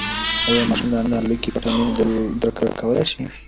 ایا ماشوم د انا په زړه کې پټه مینه درک کولی شي؟